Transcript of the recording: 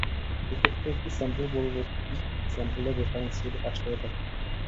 এক্ষেত্রে একটি স্যাম্পল পরবর্তী স্যাম্পল এর রেফারেন্স হিসেবে কাজ করে থাকে।